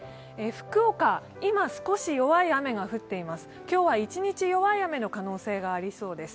福岡、今少し弱い雨が降っています